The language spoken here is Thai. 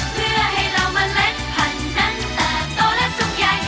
เพื่อให้เราเมล็ดพันธุ์นั้นแต่โตและสุขใหญ่